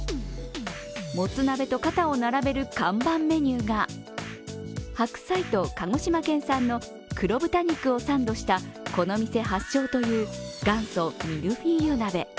もつ鍋と肩を並べる看板メニューが白菜と鹿児島県産の黒豚肉をサンドしたこの店発祥という元祖ミルフィーユ鍋。